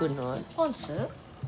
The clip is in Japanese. パンツ？